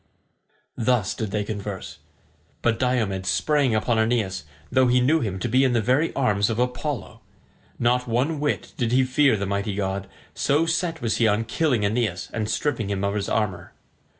Thus did they converse. But Diomed sprang upon Aeneas, though he knew him to be in the very arms of Apollo. Not one whit did he fear the mighty god, so set was he on killing Aeneas and stripping him of his armour.